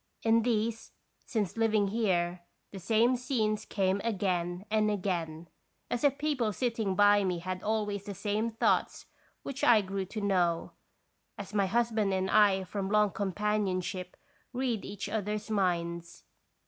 In these, since living here, the same scenes came again and again, as if people sitting by me had always the same thoughts which I grew to know, as my husband and I from long companionship read each other's minds.